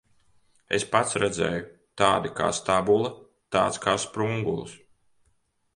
Es pats redzēju. Tāda kā stabule, tāds kā sprungulis.